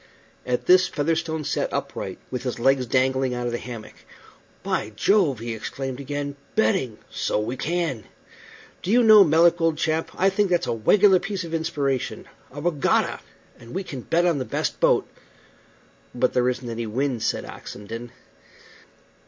At this Featherstone sat upright, with his legs dangling out of the hammock. "By Jove!" he exclaimed again. "Betting! So we can. Do you know, Melick, old chap, I think that's a wegular piece of inspiration. A wegatta! and we can bet on the best boat." "But there isn't any wind," said Oxenden.